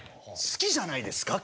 好きじゃないですか？